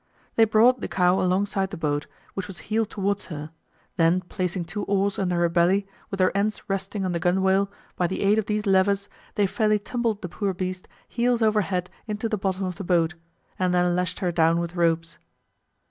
They brought the cow alongside the boat, which was heeled towards her; then placing two oars under her belly, with their ends resting on the gunwale, by the aid of these levers they fairly tumbled the poor beast heels over head into the bottom of the boat, and then lashed her down with ropes.